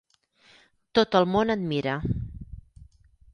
tot el món admira.